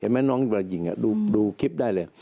เห็นไหมเพราะการยิงดูคลิปได้เลย